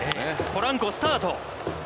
ポランコ、スタート。